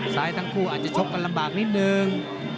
ซ้ายทั้งคู่อาจจะชกกันลำบากนิดนึง